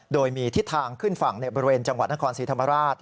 โดยมีทิศทางขึ้นฝั่งในบริเวณจังหวัดนครศรีธรรมราช